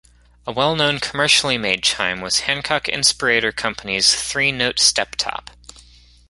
A well known commercially made chime was Hancock Inspirator Company's three-note step top.